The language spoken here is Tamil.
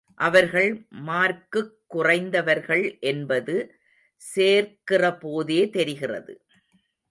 அவர்கள் மார்க்குக் குறைந்தவர்கள் என்பது சேர்க்கிறபோதே தெரிகிறது.